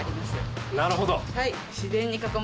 なるほど。